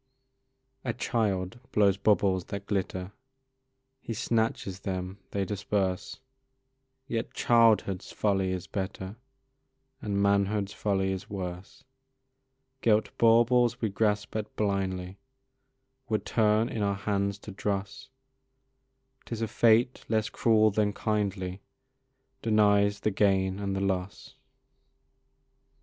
A child blows bubbles that glitter, He snatches them, they disperse; Yet childhood's folly is better, And manhood's folly is worse; Gilt baubles we grasp at blindly Would turn in our hands to dross; 'Tis a fate less cruel than kindly Denies the gain and the loss.